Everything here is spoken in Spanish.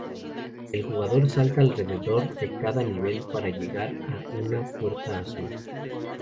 El jugador salta alrededor de cada nivel para llegar a una puerta azul.